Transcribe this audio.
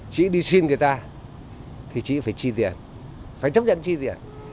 chị đi xin người ta thì chị phải chi tiền phải chấp nhận chi tiền